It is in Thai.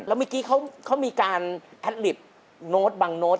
แล้วเมื่อกี้กันเขามีการผลัดบางโน้ต